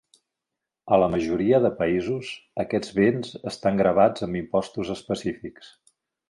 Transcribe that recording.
A la majoria de països, aquests béns estan gravats amb impostos específics.